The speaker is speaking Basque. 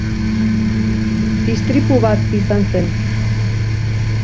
Istripu bat izan zen.